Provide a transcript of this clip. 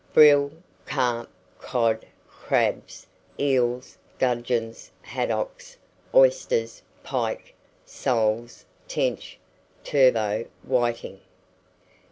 Brill, carp, cod, crabs, eels, gudgeons, haddocks, oysters, pike, soles, tench, turbot, whiting.